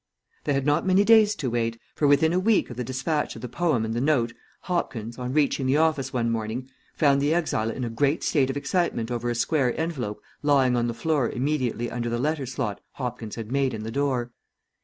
They had not many days to wait, for within a week of the dispatch of the poem and the note Hopkins, on reaching the office one morning, found the exile in a great state of excitement over a square envelope lying on the floor immediately under the letter slot Hopkins had had made in the door.